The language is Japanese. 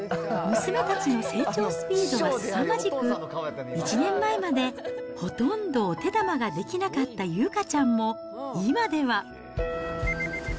娘たちの成長スピードはすさまじく、１年前までほとんどお手玉ができなかった有花ちゃんも、今では。